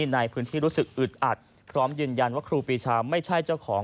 ในพื้นที่รู้สึกอึดอัดพร้อมยืนยันว่าครูปีชาไม่ใช่เจ้าของ